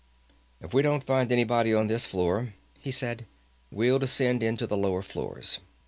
"If we don't find anybody on this floor," he said, "we'll descend into the lower floors.